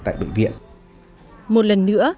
tại bệnh viện một lần nữa